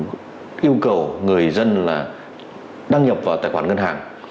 có các chuyên mục yêu cầu người dân đăng nhập vào tài khoản ngân hàng